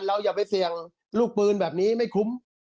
อย่าไปเสี่ยงลูกปืนแบบนี้ไม่คุ้ม